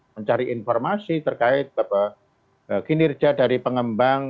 mencari informasi terkait kinerja dari pengembang